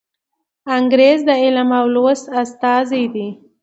انګریز د علم او لوست استازی دی.